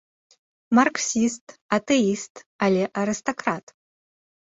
Марксіст, атэіст, але арыстакрат!